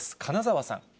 金澤さん。